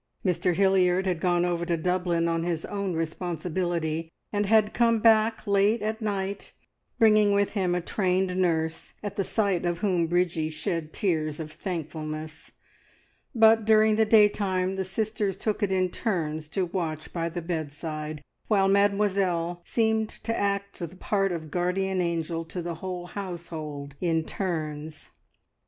Mr Hilliard had gone over to Dublin on his own responsibility, and had come back late at night, bringing with him a trained nurse, at the sight of whom Bridgie shed tears of thankfulness; but during the daytime the sisters took it in turns to watch by the bedside, while Mademoiselle seemed to act the part of guardian angel to the whole household in turns.